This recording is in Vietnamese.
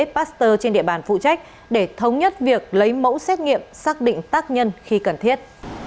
pasteur trên địa bàn phụ trách để thống nhất việc lấy mẫu xét nghiệm xác định tác nhân khi cần thiết